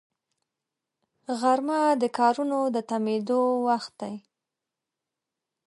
غرمه د کارونو د تمېدو وخت وي